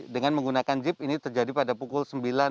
dengan menggunakan jeep ini terjadi pada pukul sembilan